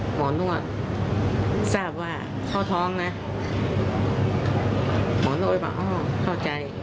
หมอนวดก็บอกว่าอ้อเข้าใจ